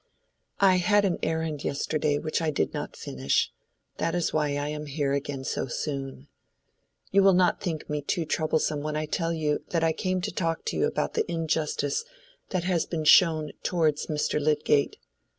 "I had an errand yesterday which I did not finish; that is why I am here again so soon. You will not think me too troublesome when I tell you that I came to talk to you about the injustice that has been shown towards Mr. Lydgate.